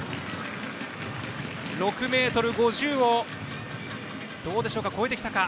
６ｍ５０を越えてきたか。